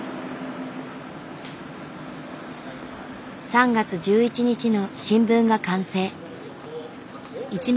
３月１１日の新聞が完成。